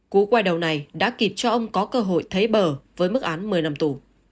cú quay đầu này đã kịp cho ông có cơ hội thấy bờ với mức án một mươi năm tù